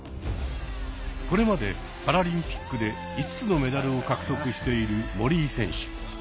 これまでパラリンピックで５つのメダルを獲得している森井選手。